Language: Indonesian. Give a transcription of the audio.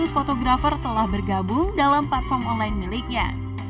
tiga ratus fotografer telah bergabung dalam platform online miliknya